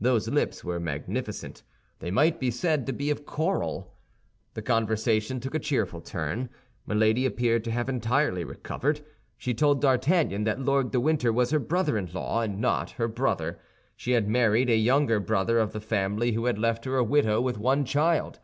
Those lips were magnificent; they might be said to be of coral. The conversation took a cheerful turn. Milady appeared to have entirely recovered. She told D'Artagnan that Lord de Winter was her brother in law, and not her brother. She had married a younger brother of the family, who had left her a widow with one child.